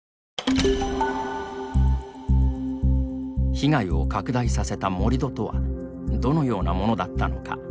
被害を拡大させた盛り土とはどのようなものだったのか。